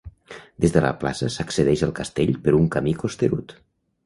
Des de la plaça s'accedeix al castell per un camí costerut.